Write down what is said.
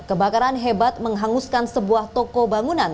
kebakaran hebat menghanguskan sebuah toko bangunan